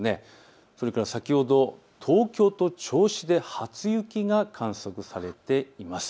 それから先ほど東京と銚子で初雪が観測されています。